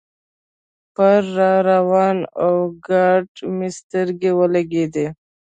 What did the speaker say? پر را روانې اورګاډي مې سترګې ولګېدلې.